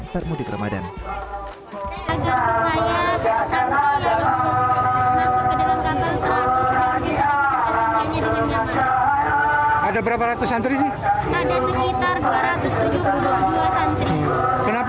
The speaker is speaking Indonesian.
saat mudik ramadhan